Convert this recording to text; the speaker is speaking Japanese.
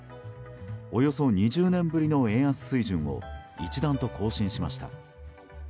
およそ２０年ぶりの円安水準を一段と更新しました。